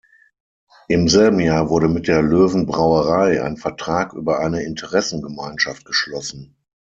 Im selben Jahr wurde mit der Löwenbrauerei ein Vertrag über eine Interessengemeinschaft geschlossen.